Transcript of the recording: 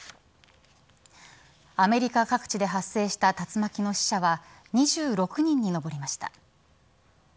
アメリカ各地で発生した竜巻の死者は２６人に上りました。